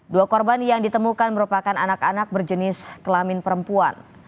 dua korban yang ditemukan merupakan anak anak berjenis kelamin perempuan